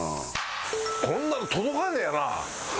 こんなの届かねえよな